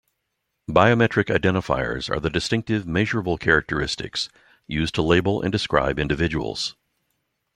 Biometric identifiers are the distinctive, measurable characteristics used to label and describe individuals.